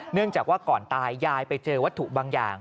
เนื่องจากว่าก่อนตายยายไปเจอวัตถุบางอย่าง